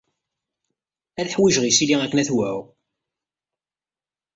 Ad ḥwijeɣ isili akken ad t-wɛuɣ.